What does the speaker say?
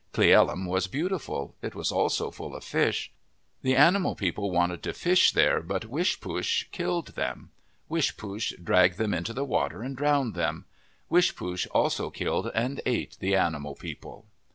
Cle el lum was beautiful. It was also full of fish. The animal people wanted to fish there but Wishpoosh killed them. Wishpoosh dragged them into the water and drowned them. Wishpoosh also killed and ate the animal people.